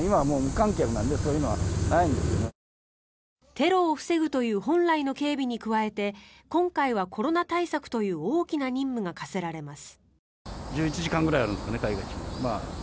テロを防ぐという本来の警備に加えて今回はコロナ対策という大きな任務が課せられます。